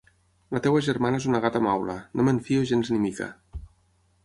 La teva germana és una gata maula. No me'n fio gens ni mica!